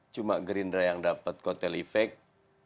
cuma gerindra yang dapat kotel efek